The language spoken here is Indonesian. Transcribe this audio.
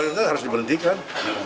kalau tidak harus diberhentikan